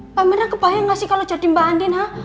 mbak mir aku bayang gak sih kalau jadi mbak andin ha